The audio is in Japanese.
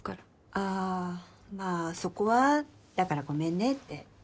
あまあそこはだからごめんねって。